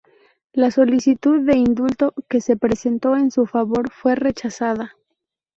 La solicitud de indulto que se presentó en su favor fue rechazada.